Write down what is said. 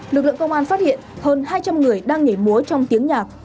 lực lượng công an phát hiện hơn hai trăm linh người đang nhảy múa trong tiếng nhạc